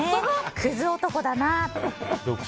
クズ男だな。